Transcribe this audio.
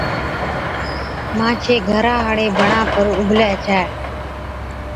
مانڇي گھران هاڙي بڻا پر اُڀلِي ڇَي